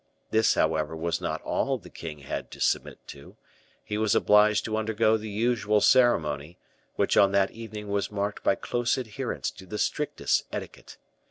This, however, was not all the king had to submit to; he was obliged to undergo the usual ceremony, which on that evening was marked by close adherence to the strictest etiquette.